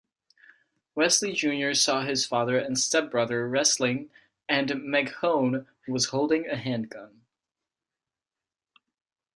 Wesley Junior saw his father and stepbrother wrestling and McHone was holding a handgun.